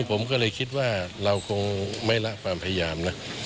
ผมก็เลยคิดว่าเราคงไม่ละความพยายามนะ